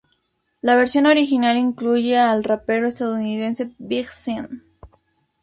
La versión original incluye al rapero estadounidense Big Sean.